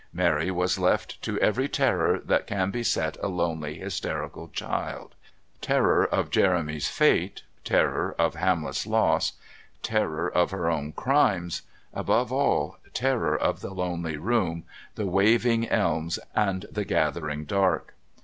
Mary was left to every terror that can beset a lonely, hysterical child terror of Jeremy's fate, terror of Hamlet's loss, terror of her own crimes, above all, terror of the lonely room, the waving elms and the gathering dark.